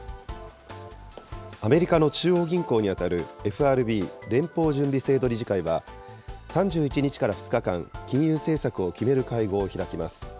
アメリカの中央銀行に当たるＦＲＢ・連邦準備制度理事会は、３１日から２日間、金融政策を決める会合を開きます。